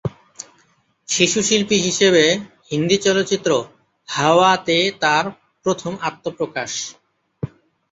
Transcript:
শিশুশিল্পী হিসেবে হিন্দি চলচ্চিত্র হাওয়া তে তার প্রথম আত্মপ্রকাশ।